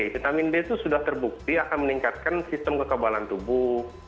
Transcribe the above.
vitamin d itu sudah terbukti akan meningkatkan sistem kekebalan tubuh